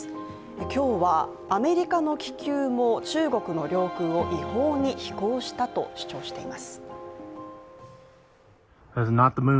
今日はアメリカの気球も中国の領空を違法に飛行したと主張しています。